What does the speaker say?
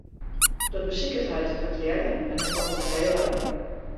Dat besiket hy te ferklearjen en hy komt in heel ein.